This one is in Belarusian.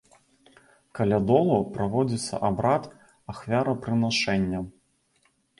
Каля долу праводзіўся абрад ахвярапрынашэння.